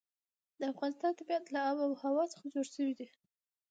د افغانستان طبیعت له آب وهوا څخه جوړ شوی دی.